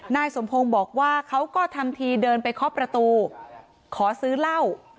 นายสมพงศ์บอกว่าเขาก็ทำทีเดินไปเคาะประตูขอซื้อเหล้า